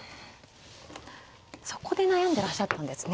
そこで悩んでらっしゃったんですね。